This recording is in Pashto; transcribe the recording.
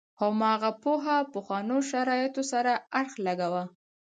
هماغه پوهه پخوانو شرایطو سره اړخ لګاوه.